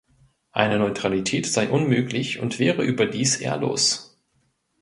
Eine Neutralität sei unmöglich und wäre überdies ehrlos.